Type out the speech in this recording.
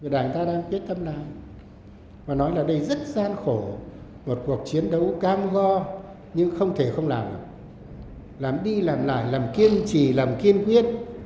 đảng ta đang quyết tâm làm và nói là đây rất gian khổ một cuộc chiến đấu cam go nhưng không thể không làm được làm đi làm lại làm kiên trì làm kiên quyết